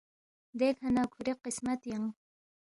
دیکھہ نہ کُھوری قسمت ینگ